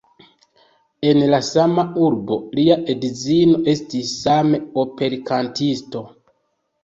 En la sama urbo lia edzino estis same operkantisto.